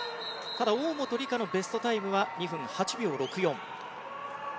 ただ、大本里佳のベストタイムは２分８秒６４。